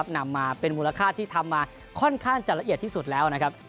นำมาเป็นมูลค่าที่ทำมาค่อนข้างจะละเอียดที่สุดแล้วนะครับ